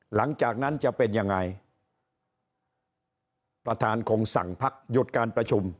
หลังจากนั้นจะเป็นยังไงประธานคงสั่งพักหยุดการประชุม